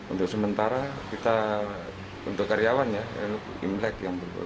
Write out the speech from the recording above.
untuk sementara kita untuk karyawan ya imlek